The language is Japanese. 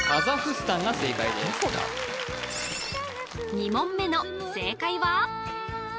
２問目の正解は？